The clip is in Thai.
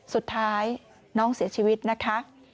สุดท้ายน้องเสียชีวิตนะคะ